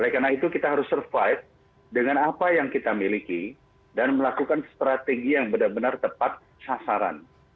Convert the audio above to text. oleh karena itu kita harus survive dengan apa yang kita miliki dan melakukan strategi yang benar benar tepat sasaran